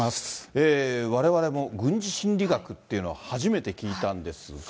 われわれも軍事心理学っていうのを初めて聞いたんですが。